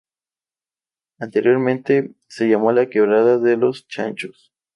Anteriormente se llamó Quebrada de Los Chanchos.